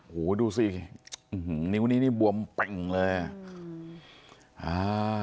โหดูสินิ้วนี้นี่บวมเป็งเลยอะ